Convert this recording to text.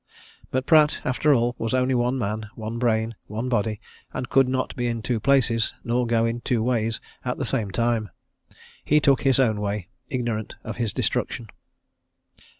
But Pratt, after all, was only one man, one brain, one body, and could not be in two places, nor go in two ways, at the same time. He took his own way ignorant of his destruction.